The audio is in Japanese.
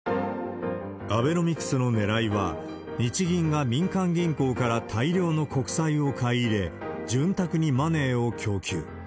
アベノミクスのねらいは、日銀が民間銀行から大量の国債を買い入れ、潤沢にマネーを供給。